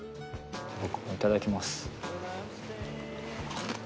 僕もいただきます。